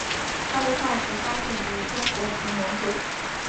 它的化石发现于中国及蒙古。